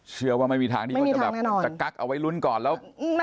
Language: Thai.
เชื่อว่าไม่มีทางที่จะกั๊กเอาไว้ลุ้นก่อน